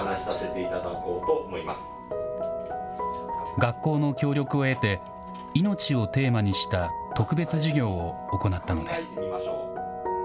学校の協力を得て、命をテーマにした特別授業を行ったのです。